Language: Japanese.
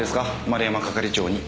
丸山係長に。